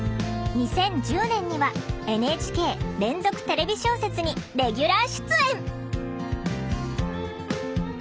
２０１０年には「ＮＨＫ連続テレビ小説」にレギュラー出演！